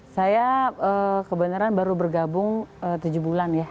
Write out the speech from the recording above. saya kebenaran baru bergabung tujuh bulan ya